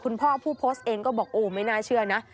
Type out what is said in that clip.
พ่อผู้โพสต์เองก็บอกโอ้ไม่น่าเชื่อนะ